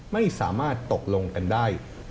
ไม่สามารถตกลงกันได้